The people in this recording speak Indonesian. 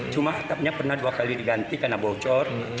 cuma atapnya pernah dua kali diganti karena bocor